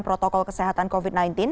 protokol kesehatan covid sembilan belas